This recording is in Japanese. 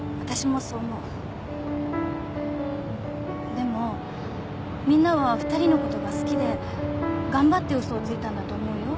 でもみんなは２人のことが好きで頑張って嘘をついたんだと思うよ。